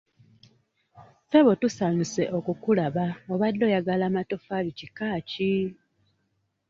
Ssebo tusanyuse okukulaba obadde oyagala matofaali kika ki?